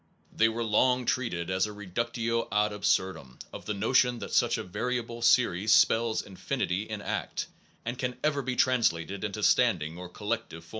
They were long treated as a reductio ad absurdum of the notion that such a variable series spells infinity in act, or can ever be translated into standing or collective form.